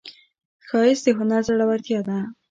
ښایست د هنر زړورتیا ده